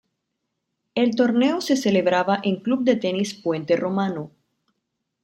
El torneo se celebraba en Club de Tenis Puente Romano.